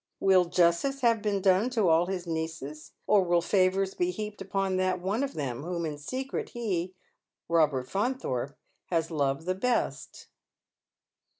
Will justice have been done to all his nieces, or will favours be heaped upon that one of them whom in secret he, Eobert Faunthorpe, has loved the best